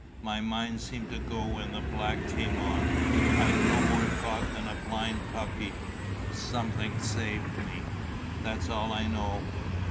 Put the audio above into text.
My mind seemed to go when the black came on, I'd no more thought than a blind puppy. Something saved me. That's all I know."